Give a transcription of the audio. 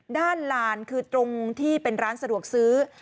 ลานคือตรงที่เป็นร้านสะดวกซื้อ